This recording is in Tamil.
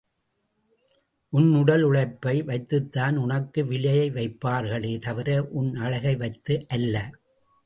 உன் உடல் உழைப்பை வைத்துத்தான் உனக்கு விலையை வைப்பார்களே தவிர உன் அழகை வைத்து அல்ல.